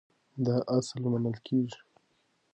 دا اصل منل کېږي.